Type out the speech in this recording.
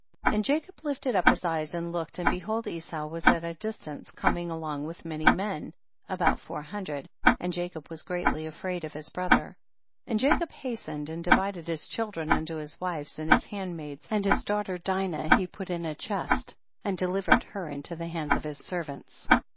52. And Jacob lifted up his eyes and looked, and behold Esau was at a distance, coming along with many men, about four hundred, and Jacob was greatly afraid of his brother. 53. And Jacob hastened and di vided his children unto his wives and his handmaids, and his daughter Dinah he put in a chest, and deliver ed her into the hands of his servants.